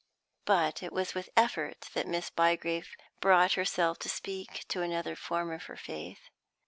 But it was with effort that Miss Bygrave brought herself to speak to another of her form of faith.